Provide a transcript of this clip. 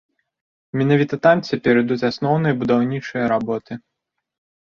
Менавіта там цяпер ідуць асноўныя будаўнічыя работы.